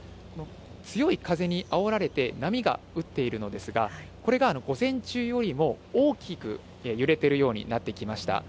強い風にあおられて、波が打っているのですが、これが午前中よりも大きく揺れてるようになってきました。